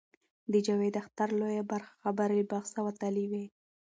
د جاوید اختر لویه برخه خبرې له بحث وتلې وې.